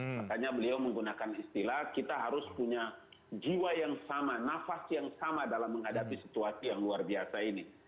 makanya beliau menggunakan istilah kita harus punya jiwa yang sama nafas yang sama dalam menghadapi situasi yang luar biasa ini